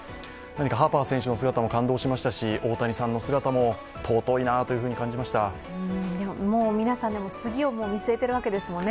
ハーパー選手の姿も感動しましたし、大谷選手の姿も皆さん、次を見据えてるわけですもんね。